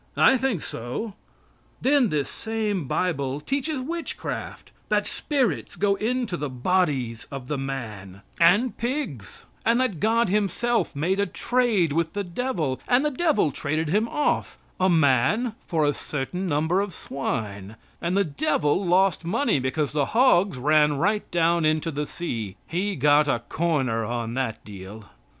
I think so. Then this same Bible teaches witchcraft, that spirits go into the bodies of the man, and pigs, and that God himself made a trade with the devil, and the devil traded him off a man for a certain number of swine, and the devil lost money because the hogs ran right down into the sea. He got a corner on that deal.